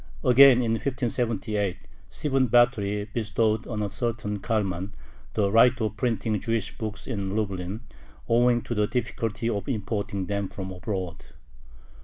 Again, in 1578, Stephen Batory bestowed on a certain Kalman the right of printing Jewish books in Lublin, owing to the difficulty of importing them from abroad.